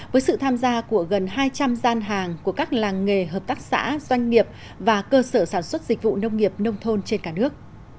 với sự tham gia của gần hai trăm linh gian hàng của các làng nghề hợp tác xã doanh nghiệp và cơ sở sản xuất dịch vụ nông nghiệp nông thôn trên cả nước